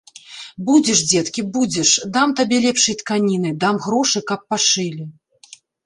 Будзеш, дзеткі, будзеш, дам табе лепшай тканіны, дам грошы, каб пашылі.